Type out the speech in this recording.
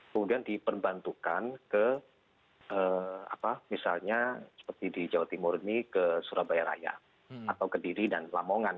kemudian diperbantukan ke apa misalnya seperti di jawa timur ini ke surabaya raya atau ke diri dan lamongan